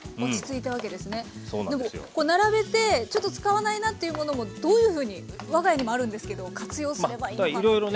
並べてちょっと使わないなっていうものもどういうふうに我が家にもあるんですけど活用すればいいのかなっていう。